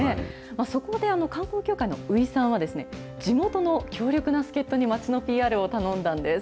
そこで、観光協会の宇井さんは、地元の強力な助っ人に、町のＰＲを頼んだんです。